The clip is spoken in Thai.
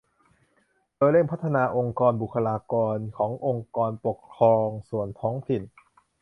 โดยเร่งพัฒนาองค์กรบุคลากรขององค์กรปกครองส่วนท้องถิ่น